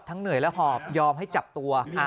เหนื่อยและหอบยอมให้จับตัว